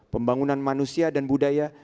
pembangunan manusia dan budaya